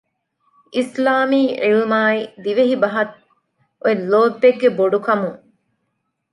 އިސްލާމީ ޢިލްމާއި ދިވެހިބަހަށް އޮތް ލޯތްބެއްގެ ބޮޑުކަމުން